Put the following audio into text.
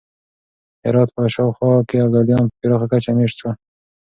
د هرات په شاوخوا کې ابدالیان په پراخه کچه مېشت شول.